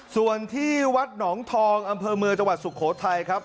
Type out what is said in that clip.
ส่วนที่วัดหนองทองอำเภอเมืองจังหวัดสุโขทัยครับ